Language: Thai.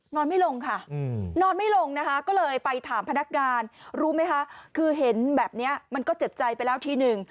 ไม่ลงค่ะนอนไม่ลงนะคะก็เลยไปถามพนักงานรู้ไหมคะคือเห็นแบบนี้มันก็เจ็บใจไปแล้วทีหนึ่ง